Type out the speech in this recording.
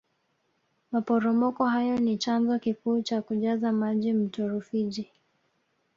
maporomoko hayo ni chanzo kikuu cha kujaza maji mto rufiji